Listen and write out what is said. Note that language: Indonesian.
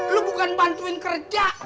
lu bukan bantuin kerja